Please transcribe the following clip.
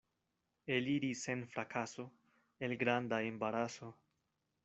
Eliri sen frakaso el granda embaraso.